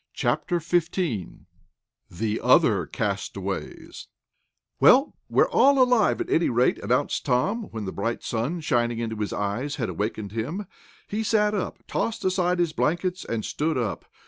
CHAPTER XV THE OTHER CASTAWAYS "Well, we're all alive, at any rate," announced Tom, when the bright sun, shining into his eyes, had awakened him. He sat up, tossed aside his blankets, and stood up.